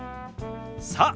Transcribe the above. さあ